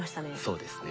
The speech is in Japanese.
そうですね。